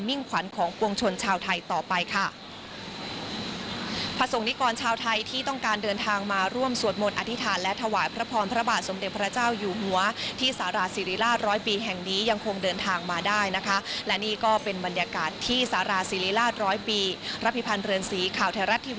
่งขวัญของปวงชนชาวไทยต่อไปค่ะ